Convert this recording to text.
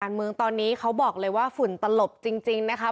เมืองตอนนี้เขาบอกเลยว่าฝุ่นตลบจริงนะคะ